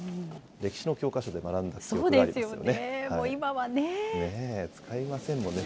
歴史の教科書で学んだ記憶がありますよね。